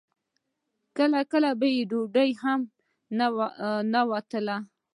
کله کله به ډوډۍ ته هم نه وتلو.